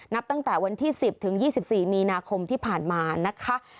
นับตั้งแต่วันที่๑๐ถึง๒๔มีนาคมที่ผ่านมานะคะ